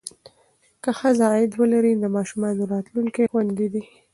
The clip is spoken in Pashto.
که ښځه عاید ولري، نو د ماشومانو راتلونکی خوندي دی.